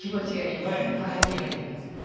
はい気持ちがいいんですよ。